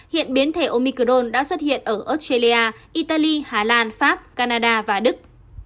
hiện biến thể omicron đã xuất hiện ở australia italy hà lan pháp canada và đức